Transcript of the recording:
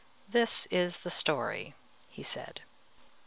"This is the story," he said.